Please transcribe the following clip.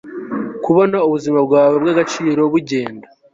kubona ubuzima bwawe bwagaciro bugenda